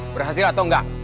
berhasil atau enggak